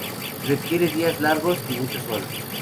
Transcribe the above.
Requiere días largos, y mucho sol.